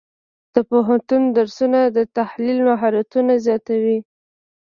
د پوهنتون درسونه د تحلیل مهارتونه زیاتوي.